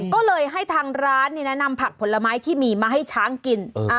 ก็เลยให้ทางร้านนำผักผลไม้ที่มีมาให้ช้างกิน